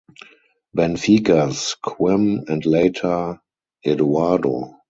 Benfica's Quim and later Eduardo.